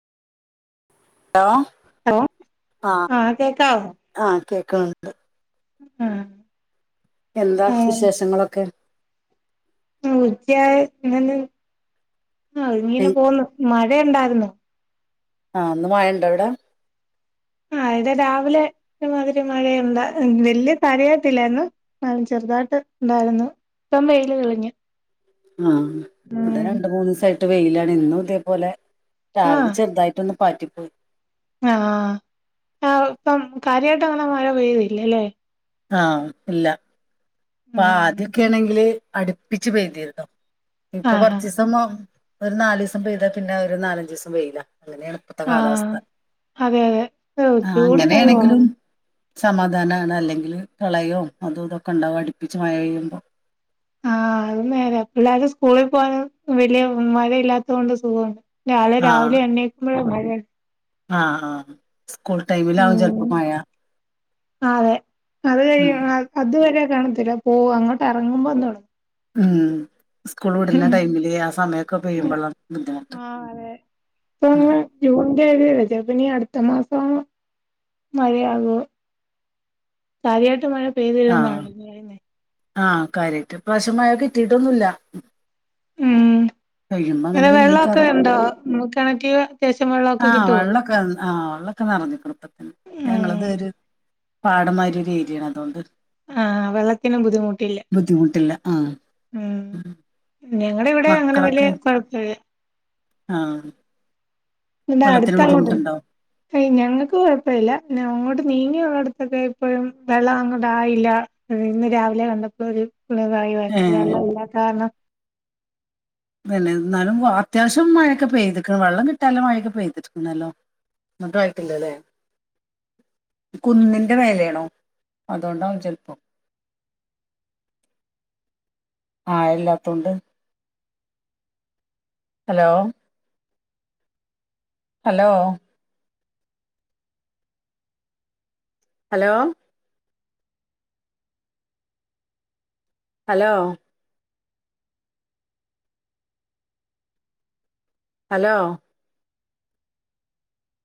Hello hello ആഹ് കേക്കാവോ ക്കണ്ട് ആഹ് എന്താ വിശേഷങ്ങളൊക്കെ [unintelligible] ആ എ ഇങ്ങനെ പോന്ന് മഴ വ്ടെ ഉണ്ടായിരുന്നു ആഹ് ഒന്ന് മയണ്ടവിടേ ആഹ് ത രാവിലെ ര്മാതിരി മഴയണ്ടാ വല്യ തരയത്തില്ലായിന്ന് ചെറുതായിട്ട് ഉണ്ടായിരുന്നു. ഇപ്പം വെയില് കളിഞ്ഞു ആ ഇവിടെ രണ്ട മൂന്ന് സൈഡ ട്ട് വെയിലാണ് എന്നുതേപോലെ ആഹ് രാവിലെ ചെറുതായിട്ടൊന്ന് പാറ്റിപ്പോയി ആഹ് ആഹ് പ്പം കാര്യായിട്ട് അങ്ങനെ മഴ പെയ്തില്ലല്ലേ ആഹ് ഇല്ല ഉം പാദ്യക്കെയാണെങ്കില് അടുപ്പിച്ച് പെയ്തിര്ന്നു ഇപ്പൊ ആഹ് ആഹ് കൊർസം മു ഒരു നാലീസം പെയ്താ പിന്നെ ഒരു നാലഞജീസം വെയ്ലാ ങ്ങനെയാണ് പ്പത്തെ കാലാവസ്ഥ. ആഹ് അതെ അതെ ഓഹ് ആഹ് ചൂടിനൊരു അങ്ങനെയാണെങ്കിലും കുറവും സമാധാനാണേ അല്ലെങ്കില് കളയോ അതോതൊക്കെ ഉണ്ടാവു അട് പ്പിച്ച് മഴ യ്യുമ്പോ ആഹ് അഹ് നേരെ പിള്ളേര് സ്കൂള് പോണോ വല്യ മഴയില്ലാത്തോണ്ട് സുഖോ നാളെ രാവിലെ എണ്ണേക്കുമ്പഴാ മയ് ഉ [unintelligible] ആഹ് ആഹ് സ്കൂൾ ടൈമിലാകും ചെലപ്പോ മയ ആ അതെ അത് കഴ അതുവരെ കാണത്തില്ല പോ അങ്ങോട്ട് എറങ്ങുമ്പോ തൊട - ഉം സ്കൂൾ വിടുന്ന ടൈമില് ആ സമയമൊക്കെ പെയ്യുമ്പോളാ ബുദ്ധിമുട്ട് ആഹ് തെ തെ തെപ്പനി അടുത്ത മാസം മഴയാകും സാരിയായിട്ട് മഴ പേര്ള്ള ആഹ് നാള് [unintelligible] ആഹ് കാര്യറ്റ് പ്രശമായ കിട്ടീട്ടൊന്നുംല്ല ഉം പെയ്യുമ്പോ അങ്ങനെ അങ്ങന്റെ വെള്ളമൊക്കെ പെയ്യയ്കാരം ഉണ്ടോ കിണറ്റില് അത്യാവശ്യം വെള്ളമൊക്കെ ആഹ് കിട്ടുവോ വെള്ളക്കെ ആഹ വെള്ളമക്കെ നിറഞ്ഞുക്ണ് പ്പതെന്നെ ഉം ഞങ്ങളതൊരു പാടന്മാരി ഒരു ഏരിയാണ് അതുകൊണ്ട് ആഹ് വെള ബുദ്ധിമുട്ടില്ല ആഹ് ഞങ്ങട ഇവിടെ അങ്ങനെ വലിയ മക്കളൊക്കെ കുഴപ്പല്ല ആഹ് ഇടെ വെള്ളത്തിന് അടുത്തങ്ങോട്ട് ബുദ്ധിമുട്ടുണ്ടോ ഹയ് ഞങ്ങക്ക് കൊഴപ്പല്ല ഞങ്ങോട്ട് നീങ്ങിയ അടുത്തൊക്കെ ഇപ്പോഴും വെള്ളം അങ്ങോട്ട ആയില്ല ഇന്ന് രാവിലെ കണ്ടപ്പളോരു [unintelligible] ഏഹ് വെള്ളല്ലാത്താര ണം പിന്നെ എന്നാലും അത്യാവശ്യം മഴൊക്കെ പെയ്തിക്ണ് വള്ളം കിട്ടാല മഴയൊക്കെ പെയ്തിക്കുന്നല്ലോ എന്നിട്ടും ആയിട്ടില്ലല്ലേ കുന്നിന്റെ വേലയാണോ അതുകൊണ്ടാവും ചെിലപ്പോം ആഹ് എല്ലാത്തും ഉണ്ട് hello hello hello hello hello